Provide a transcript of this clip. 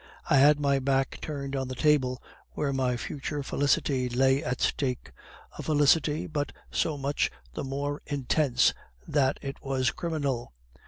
I had my back turned on the table where my future felicity lay at stake, a felicity but so much the more intense that it was criminal.